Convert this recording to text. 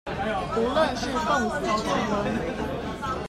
無論是奉子成婚